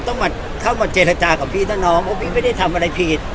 ต้องมาเข้ามาเจรจากับพี่นะน้องเพราะพี่ไม่ได้ทำอะไรผิด